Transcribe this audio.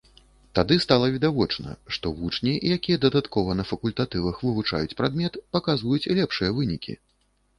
Тады стала відавочна, што вучні, якія дадаткова на факультатывах вывучаюць прадмет, паказваюць лепшыя вынікі.